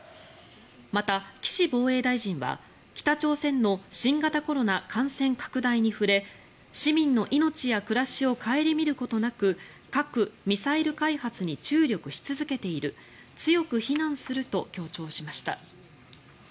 また岸防衛大臣は北朝鮮の新型コロナ感染拡大に触れ市民の命や暮らしを顧みることなく核・ミサイル開発に注力し続けている強く非難すると強調しました。